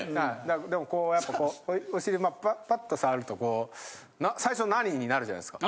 でもこうやってこうお尻パッと触るとこう最初「何！？」になるじゃないですか。